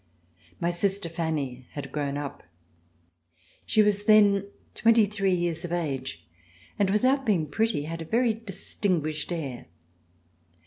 My sister Fanny had grown up. She was then twenty three years of age and without being pretty had a very distinguished air.